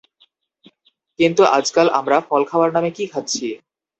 কিন্তু আজকাল আমরা ফল খাওয়ার নামে কী খাচ্ছি?